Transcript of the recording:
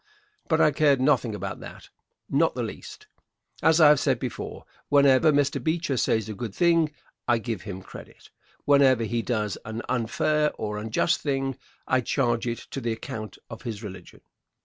But I cared nothing about that, not the least. As I have said before, whenever Mr. Beecher says a good thing I give him credit. Whenever he does an unfair or unjust thing I charge it to the account of his religion.